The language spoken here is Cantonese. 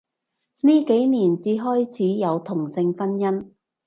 呢幾年至開始有同性婚姻